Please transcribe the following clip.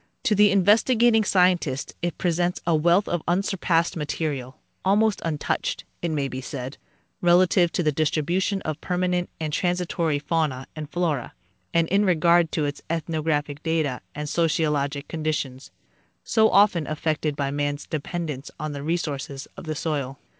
To the investigating, scientist it presents a wealth of unsurpassed material, almost untouched, it may be said, relative to the distri bution of permanent and transitory fauna and flora, and in regard to its ethnographic data and sociologic conditions, so often af fected by man's dependence on the resources of the soil.